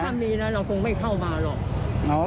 ถ้ามีนะเราคงไม่เข้ามาหรอก